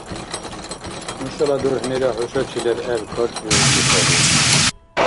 Нушала дурхӀнира хӀушачи лебгӀеб карцӀбиубли саби.